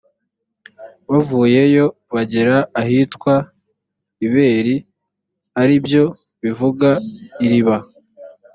bavuyeyo, bagera ahitwa i beri ari byo kuvuga ’iriba’.